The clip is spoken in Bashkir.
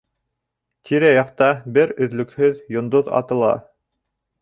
Тирә-яҡта бер өҙлөкһөҙ йондоҙ атыла.